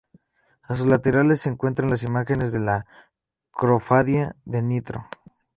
A sus laterales se encuentran las imágenes de la Cofradía de Ntro.